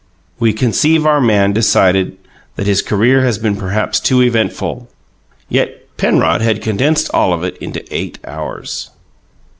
We conceive our man decided that his career had been perhaps too eventful. Yet Penrod had condensed all of it into eight hours.